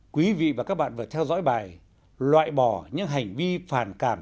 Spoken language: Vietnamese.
quý vị và các bạn vừa theo dõi bài loại bỏ những hành vi phản cảm